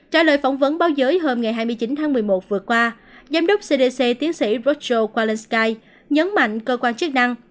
trả lời phỏng vấn báo giới hôm hai mươi chín tháng một mươi một vừa qua giám đốc cdc tiến sĩ prostro kalensky nhấn mạnh cơ quan chức năng